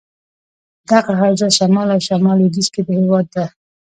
دغه حوزه شمال او شمال لودیځ کې دهیواد ده.